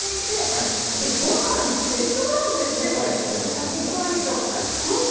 炊き具合と。